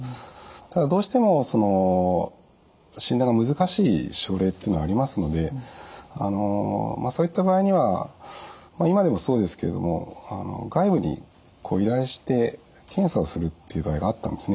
ただどうしても診断が難しい症例っていうのはありますのでそういった場合には今でもそうですけれども外部に依頼して検査をするっていう場合があったんですね。